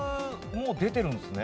もう出てるんですね。